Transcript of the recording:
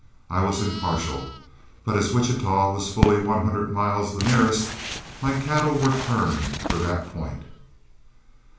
I was impartial, but as Wichita was fully one hundred miles the nearest, my cattle were turned for that point.